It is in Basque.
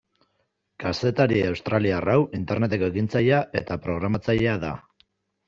Kazetari australiar hau Interneteko ekintzailea eta programatzailea da.